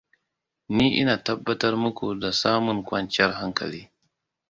Ni ina tabbatar muku da samun kwanciyar hankali.